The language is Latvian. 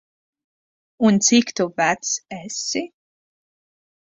Un, cik tu vecs esi?